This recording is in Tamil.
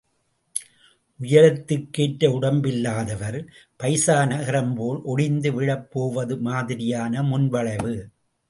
உயரத்துக்கு ஏற்ற உடம்பில்லாதவர்... பைசா நகரம்போல் ஒடிந்து விழப் போவது மாதிரியான முன்வளைவு.